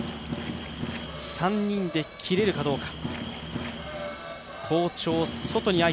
３人で切れるかどうか。